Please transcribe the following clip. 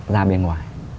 ra bên ngoài